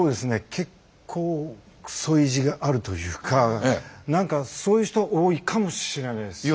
結構クソ意地があるというか何かそういう人多いかもしれないですね。